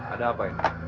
ada apa ini